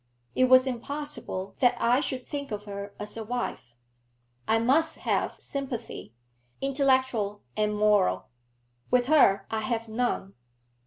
It was impossible that I should think of her as a wife. I must have sympathy, intellectual and moral. With her I have none.